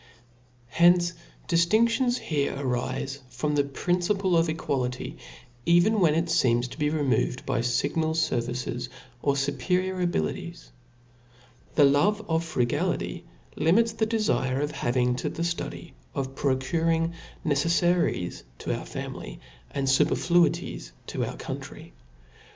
Hence difiindions here arile from the principle of equality, even when it feems to be removed by iignal fervices, or fuperior abilities. The love of frugality limits the dtfin of having to the ftudy of procuring neceffaries to our family, and fuperfiuities to our country.